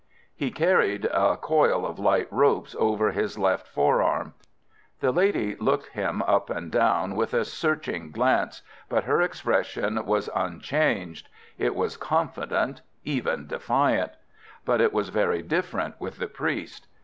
He carried a coil of light ropes over his left fore arm. The lady looked him up and down with a searching glance, but her expression was unchanged. It was confident—even defiant. But it was very different with the priest.